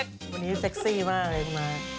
วันนี้เซ็คซี่มาก